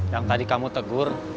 yang tadi kamu tegur